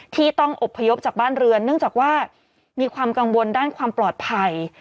ที่ต้องอบพยพจากบ้านเรือนเนื่องจากว่ามีความกังวลด้านความปลอดภัย